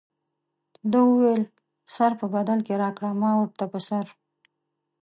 ده وویل سر په بدل کې راکړه ما ورته په سر.